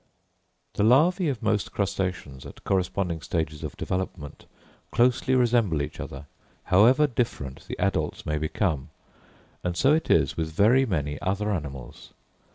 The larvæ of most crustaceans, at corresponding stages of development, closely resemble each other, however different the adults may become; and so it is with very many other animals.